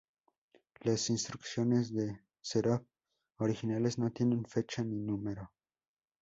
Las instrucciones de Serov originales no tienen fecha ni número.